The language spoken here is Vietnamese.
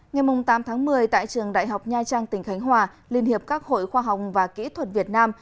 ngày tám tháng một mươi tại trường đại học nha trang tỉnh khánh hòa liên hiệp các hội khoa học và kỹ thuật việt nam